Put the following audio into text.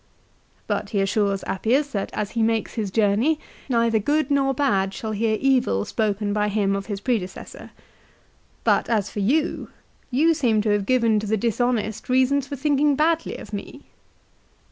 But he assures Appius that as he makes his journey neither good nor bad shall hear evil spoken by him of his predecessor. "But as for you, you seem to have given to the dishonest reasons for thinking badly of me."